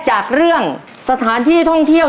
จากเรื่องสถานที่ท่องเที่ยว